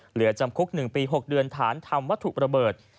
เหลือจำคุก๑ปี๖เดือนฐานทำวัตถุประเบิด